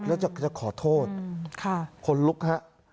แล้วจะขอโทษคนลุกฮะ